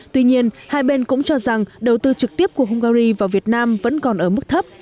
tuy nhiên hai bên cũng cho rằng đầu tư trực tiếp của hungary vào việt nam vẫn còn ở mức thấp